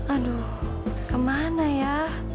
aduh kemana ya